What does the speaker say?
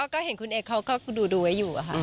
เขาก็เห็นคุณเอกเขาก็ดูไว้อยู่ค่ะ